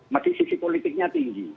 masih sisi politiknya tinggi